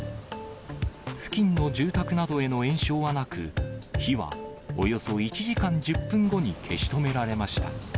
付近の住宅などへの延焼はなく、火はおよそ１時間１０分後に消し止められました。